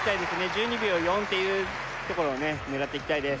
１２秒４っていうところを狙っていきたいです